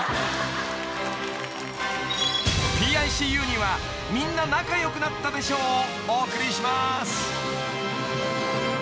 ［『ＰＩＣＵ』にはみんな仲良くなったで賞をお贈りします］